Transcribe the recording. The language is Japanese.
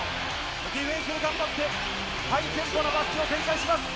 ディフェンスも頑張って、ハイテンポなバスケを展開します。